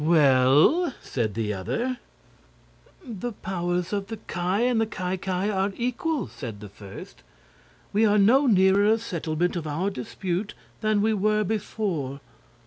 "Well?" said the other. "The powers of the Ki and the Ki Ki are equal," said the first. "We are no nearer a settlement of our dispute than we were before."